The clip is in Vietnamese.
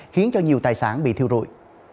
khiến nhiều tài sản bị thiêu rụi